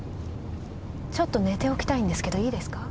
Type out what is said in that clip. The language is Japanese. ちょっと寝ておきたいんですけどいいですか？